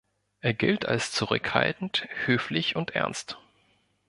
Er gilt als zurückhaltend, höflich und ernst.